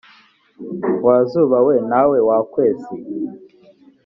wa zuba we nawe wa kwezi